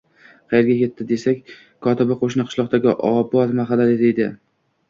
Qaerga ketdi, desak, kotibi qo`shni qishloqdagi Obod mahallada deydi